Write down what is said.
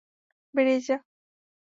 বেরিয়ে যা।